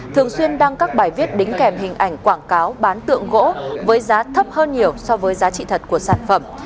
thường xuyên đăng các bài viết đính kèm hình ảnh quảng cáo bán tượng gỗ với giá thấp hơn nhiều so với giá trị thật của sản phẩm